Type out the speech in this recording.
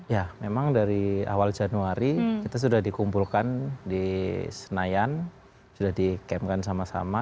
ya memang dari awal januari kita sudah dikumpulkan di senayan sudah di camp kan sama sama